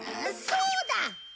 そうだ！